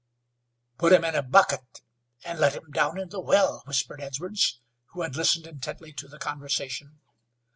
"Put him in a bucket and let him down in the well," whispered Edwards, who had listened intently to the conversation.